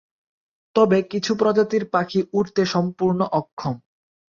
তবে কিছু প্রজাতির পাখি উড়তে সম্পূর্ণ অক্ষম।